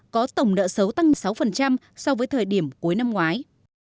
có tổng nợ xấu tăng sáu so với thời điểm cuối năm ngoái